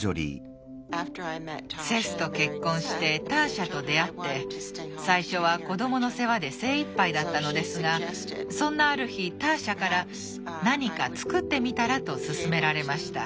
セスと結婚してターシャと出会って最初は子どもの世話で精いっぱいだったのですがそんなある日ターシャから「何か作ってみたら」と勧められました。